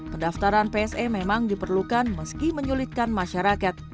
pendaftaran pse memang diperlukan meski menyulitkan masyarakat